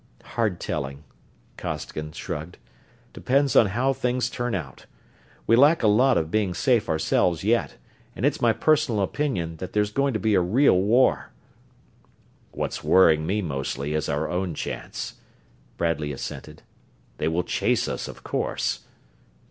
"Hard telling," Costigan shrugged. "Depends on how things turn out. We lack a lot of being safe ourselves yet, and it's my personal opinion that there's going to be a real war." "What's worrying me mostly is our own chance," Bradley assented. "They will chase us, of course."